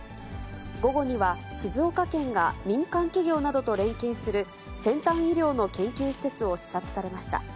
午後には静岡県が民間企業などと連携する、先端医療の研究施設を視察されました。